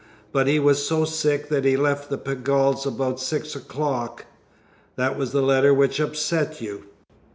But he was so sick that he left the Pegalls' about six o'clock." "That was the letter which upset you."